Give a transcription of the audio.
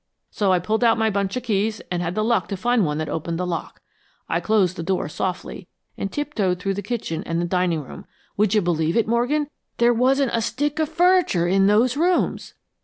So I pulled out my bunch of keys and had the luck to find one that opened the lock. I closed the door softly, and tiptoed through the kitchen and the dining room. Would you believe it, Morgan THERE WASN'T A STICK OF FURNITURE IN THOSE ROOMS!"